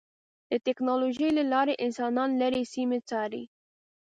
د ټکنالوجۍ له لارې انسانان لرې سیمې څاري.